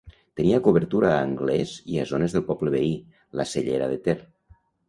Tenia cobertura a Anglès i a zones del poble veí, La Cellera de Ter.